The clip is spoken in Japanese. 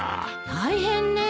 大変ねえ。